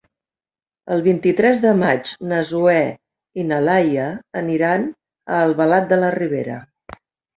El vint-i-tres de maig na Zoè i na Laia aniran a Albalat de la Ribera.